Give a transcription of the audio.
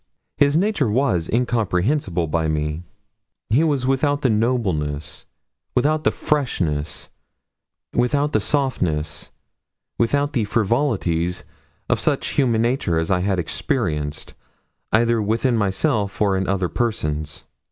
His nature was incomprehensible by me. He was without the nobleness, without the freshness, without the softness, without the frivolities of such human nature as I had experienced, either within myself or in other persons.